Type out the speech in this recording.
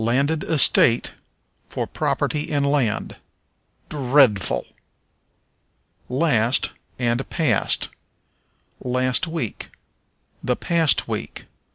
Landed Estate for Property in Land. Dreadful! Last and Past. "Last week." "The past week."